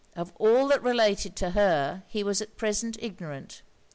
Of all that related to her, he was at present ignorant.